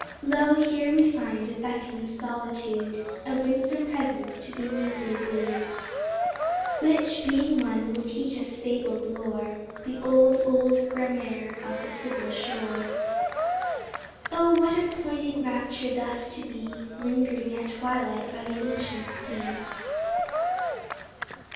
Lo, here we find a beckoning solitude, A winsome presence to be mutely wooed, Which, being won, will teach us fabled lore, The old, old, gramarye of the sibyl shore! Oh, what a poignant rapture thus to be Lingering at twilight by the ancient sea!